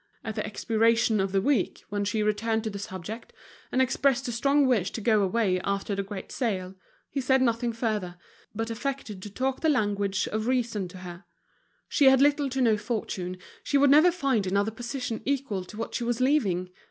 At the expiration of the week, when she returned to the subject, and expressed a strong wish to go away after the great sale, he said nothing further, but affected to talk the language of reason to her: she had little or no fortune, she would never find another position equal to that she was leaving.